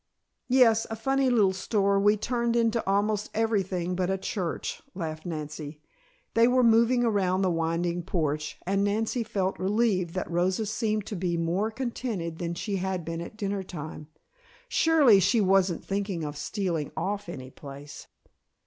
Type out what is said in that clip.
"Yes, a funny little store we turned into almost everything but a church," laughed Nancy. They were moving around the winding porch and Nancy felt relieved that Rosa seemed to be more contented than she had been at dinner time. Surely she wasn't thinking of stealing off any place?